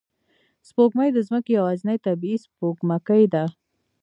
سپوږمۍ د ځمکې یوازینی طبیعي سپوږمکۍ ده